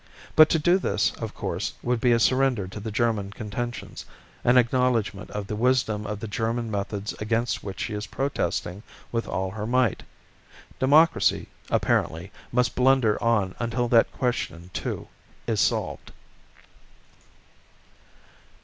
But to do this, of course, would be a surrender to the German contentions, an acknowledgment of the wisdom of the German methods against which she is protesting with all her might. Democracy, apparently, must blunder on until that question too, is solved.